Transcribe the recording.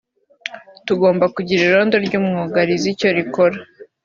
Tugomba kugira irondo ry’umwuga rizi icyo rikora